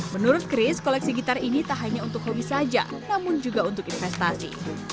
menurut chris koleksi gitar ini tak hanya untuk hobi saja namun juga untuk investasi